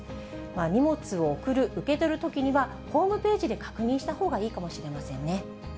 荷物を送る、受け取るときには、ホームページで確認したほうがいいかもしれませんね。